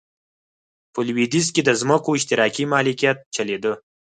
په لوېدیځ کې د ځمکو اشتراکي مالکیت چلېده.